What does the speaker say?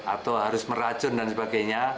atau harus meracun dan sebagainya